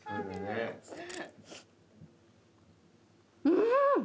うん！